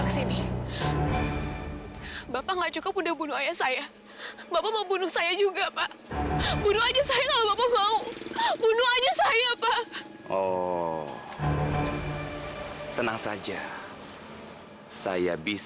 sampai jumpa di video selanjutnya